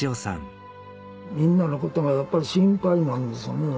みんなのことがやっぱり心配なんですよね。